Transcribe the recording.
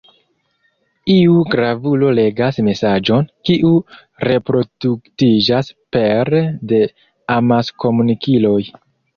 Iu gravulo legas mesaĝon, kiu reproduktiĝas pere de amaskomunikiloj.